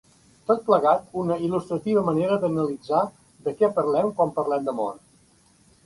Tot plegat una il·lustrativa manera d'analitzar de què parlem quan parlem d'amor.